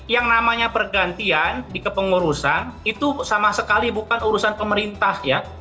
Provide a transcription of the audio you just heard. yang namanya pergantian di kepengurusan itu sama sekali bukan urusan pemerintah ya